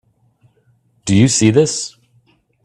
Do you see this?